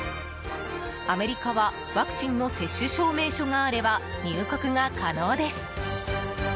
アメリカはワクチンの接種証明書があれば入国が可能です。